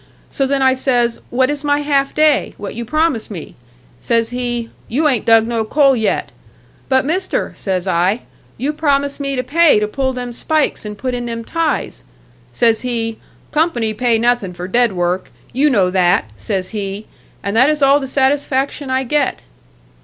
So then I says, 'What is my half day, what you promise me?' Says he, 'You ain't dug no coal yet!' 'But, mister,' says I, 'you promise me pay to pull them spikes and put in them ties!' Says he, 'Company pay nothin' for dead work you know that,' says he, and that is all the satisfaction I get."